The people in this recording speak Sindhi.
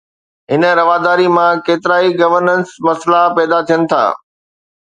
هن رواداري مان ڪيترائي گورننس مسئلا پيدا ٿين ٿا.